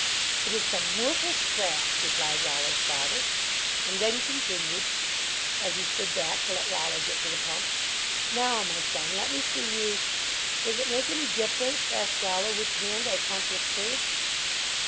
"It is some worthless trash," replied Rol lo s father, and then continued, as he stood back to let Rollo get to the pump, "now, my son, let me see you " 53 LEARNING TO WORK "Does it make any difference," asked Rollo, " which hand I pump with first?"